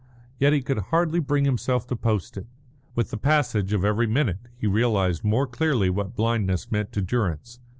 Yet he could hardly bring himself to post it. With the passage of every minute he realised more clearly what blindness meant to Durrance.